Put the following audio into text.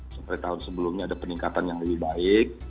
seperti tahun sebelumnya ada peningkatan yang lebih baik